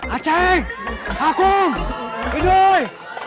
acing aku hidup